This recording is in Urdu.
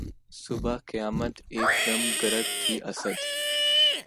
صبح قیامت ایک دم گرگ تھی اسدؔ